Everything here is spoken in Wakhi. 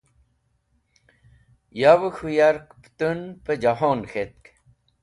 Yawẽ k̃hũ yark pẽtũn pẽ jehon k̃hetk.